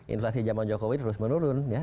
inflasi zaman jokowi terus menurun